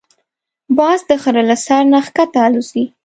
باز د غره له سر نه ښکته الوزي